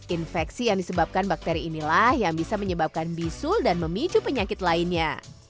infeksi yang disebabkan bakteri inilah yang bisa menyebabkan bisul dan memicu penyakit lainnya